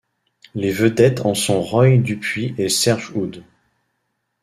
Les vedettes en sont Roy Dupuis et Serge Houde.